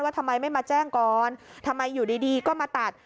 ทำไมไม่มาแจ้งก่อนทำไมอยู่ดีก็มาตัด